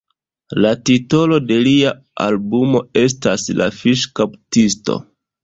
La titolo de lia albumo estas "La Fiŝkaptisto".